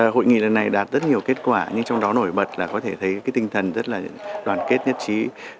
hội nghị lần này đạt rất nhiều kết quả nhưng trong đó nổi bật là có thể thấy tinh thần rất là đoàn kết nhất trí